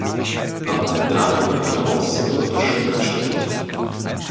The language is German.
Aber darüber hinaus wird es schon anstrengend.